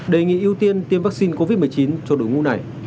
đề nghị ưu tiên tiêm vaccine covid một mươi chín cho đội ngũ này